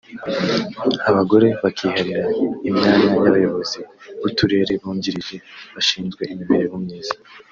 abagore bakiharira imyanya y’abayobozi b’uturere bungirije bashinzwe imibereho myiza